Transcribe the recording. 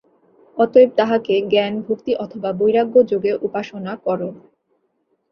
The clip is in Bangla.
অতএব তাঁহাকে জ্ঞান, ভক্তি অথবা বৈরাগ্যযোগে উপাসনা কর।